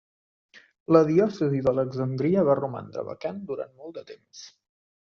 La diòcesi d'Alexandria va romandre vacant durant molt de temps.